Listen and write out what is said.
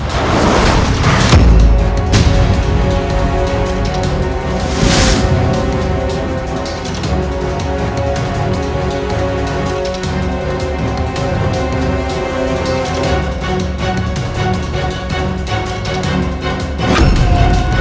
aku harus mendapatkan tombak itu dari tangannya